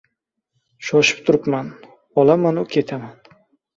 — Shoshib turibman, olamanu ketaman.